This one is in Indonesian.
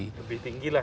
lebih tinggi lah